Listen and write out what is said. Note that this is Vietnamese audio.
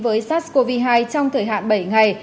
với sars cov hai trong thời hạn bảy ngày